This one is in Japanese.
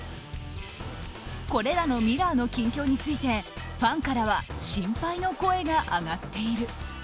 これらのミラーの近況についてファンからは心配の声が上がっている。